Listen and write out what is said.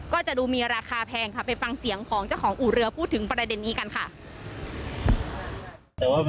ก็จะดูมีราคาแพงค่ะไปฟังเสียงของเจ้าของอู่เรือพูดถึงประเด็นนี้กันค่ะ